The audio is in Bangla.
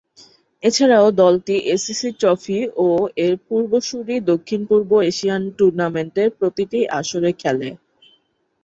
এছাড়াও দলটি এসিসি ট্রফি ও এর পূর্বসূরী দক্ষিণ পূর্ব এশিয়ান টুর্নামেন্টের প্রতিটি আসরে খেলে।